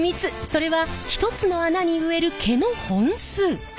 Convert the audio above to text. それは１つの穴に植える毛の本数。